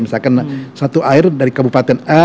misalkan satu air dari kabupaten a